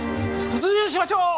突入しましょう！